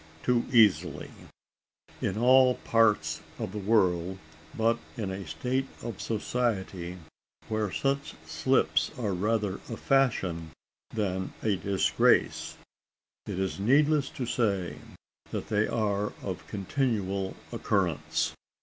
too easily in all parts of the world; but in a state of society, where such slips are rather a fashion than a disgrace, it is needless to say that they are of continual occurrence.